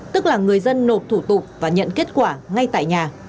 tức là người dân nộp thủ tục và nhận kết quả ngay tại nhà